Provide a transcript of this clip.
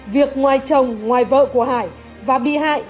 việc ngoài chồng ngoài vợ của hải và bị hại